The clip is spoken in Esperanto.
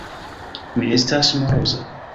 Mi estas moroza.